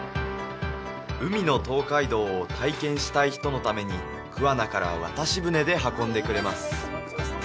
海の東海道を体験したい人のために桑名から渡し船で運んでくれます